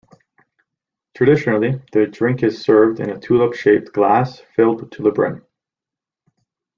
Traditionally the drink is served in a tulip-shaped glass filled to the brim.